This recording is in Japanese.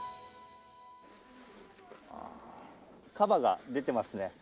カバが出てますね。